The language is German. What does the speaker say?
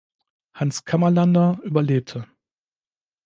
Hans Kammerlander überlebte.